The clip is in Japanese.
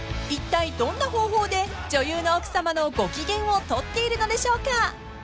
［いったいどんな方法で女優の奥さまのご機嫌を取っているのでしょうか？］